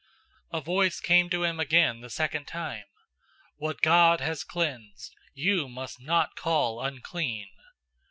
010:015 A voice came to him again the second time, "What God has cleansed, you must not call unclean."